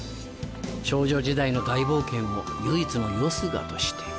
少女時代の大冒険を唯一のよすがとして。